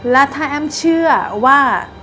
และถ้าแอ้มเชื่อว่า